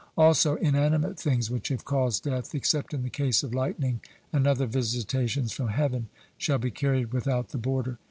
Also inanimate things which have caused death, except in the case of lightning and other visitations from heaven, shall be carried without the border.